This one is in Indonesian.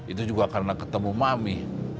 itu juga karena ketemu mami